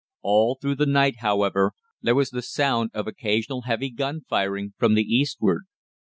All through the night, however, there was the sound of occasional heavy gun firing from the eastward.